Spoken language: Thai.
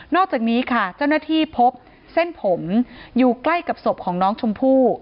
อกจากนี้ค่ะเจ้าหน้าที่พบเส้นผมอยู่ใกล้กับศพของน้องชมพู่